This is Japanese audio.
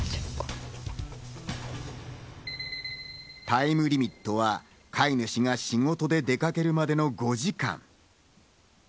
タイムリミットは飼い主が仕事で出かけるまでの５時間。